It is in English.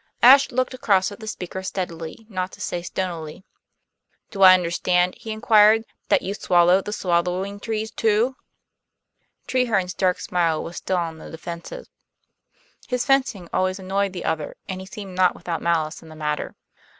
Ashe looked across at the speaker steadily, not to say stonily. "Do I understand," he inquired, "that you swallow the swallowing trees too?" Treherne's dark smile was still on the defensive; his fencing always annoyed the other, and he seemed not without malice in the matter.